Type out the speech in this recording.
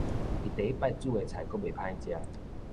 伊第一擺煮的菜閣袂歹食